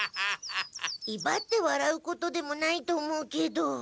いばって笑うことでもないと思うけど。